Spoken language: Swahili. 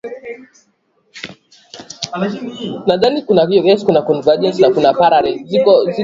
Mimi huteseka sana